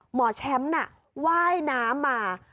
หมอแช๊มน่ะไหว้น้ำมา